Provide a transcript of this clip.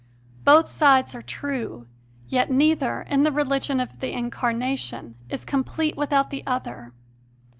Both sides are true, yet neither, in the religion of the Incarnation, is complete without the other.